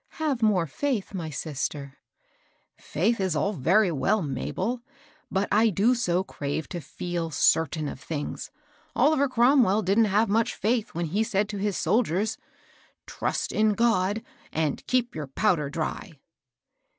Have more faith, my sister." Faith is all very well, Mabel ; but I do so crave to feel eertain of things I Oliver Cromwell didn't have much faith when he said to his soldiers, * Trust in God, — and ke^ your powder dry